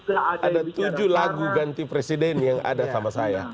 ada tujuh lagu ganti presiden yang ada sama saya